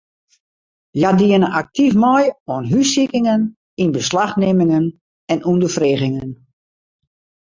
Hja diene aktyf mei oan hússikingen, ynbeslachnimmingen en ûnderfregingen.